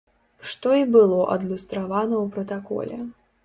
Што й было адлюстравана ў пратаколе.